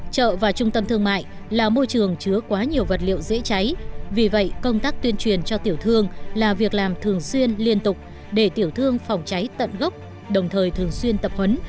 chợ và trung tâm thương mại là môi trường chứa quá nhiều vật liệu dễ cháy vì vậy công tác tuyên truyền cho tiểu thương là việc làm thường xuyên liên tục để tiểu thương phòng cháy tận gốc đồng thời thường xuyên tập huấn